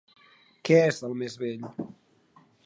Què és el més bell?